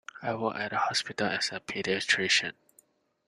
I work at the hospital as a paediatrician.